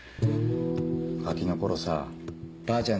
ガキの頃さぁばあちゃん